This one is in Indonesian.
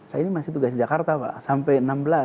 saya ini masih tugas jakarta pak sampai enam belas